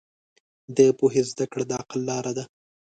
د پوهې زده کړه د عقل لاره ده.